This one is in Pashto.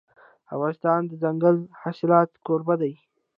افغانستان د دځنګل حاصلات کوربه دی.